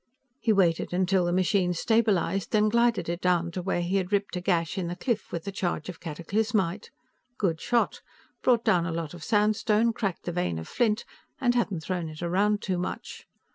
He waited till the machine stabilized, then glided it down to where he had ripped a gash in the cliff with the charge of cataclysmite. Good shot: brought down a lot of sandstone, cracked the vein of flint and hadn't thrown it around too much.